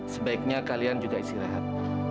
sebaiknya kalian juga isi rehat